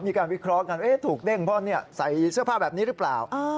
มีการวิเคราะห์กันถูกเด้งพ่อนใส่เสื้อผ้าแบบนี้หรือเปล่า